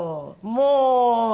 もう。